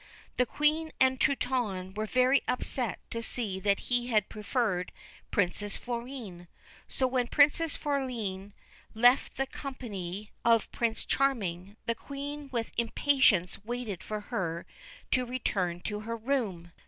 The Queen and Truitonne were very upset to see that he pre ferred Princess Florine. So, when Princess Florine left the company 83 THE BLUE BIRD of Prince Charming, the Queen with impatience waited for her to return to her room.